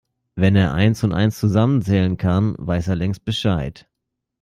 Wenn er eins und eins zusammenzählen kann, weiß er längst Bescheid.